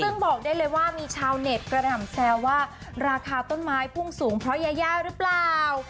ซึ่งบอกได้เลยว่ามีชาวเน็ตกระหน่ำแซวว่าราคาต้นไม้พุ่งสูงเพราะยายาหรือเปล่า